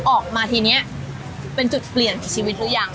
ออกมาทีนี้เป็นจุดเปลี่ยนชีวิตหรือยัง